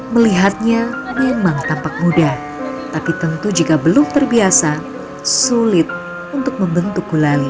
melihatnya memang tampak mudah tapi tentu jika belum terbiasa sulit untuk membentuk gulali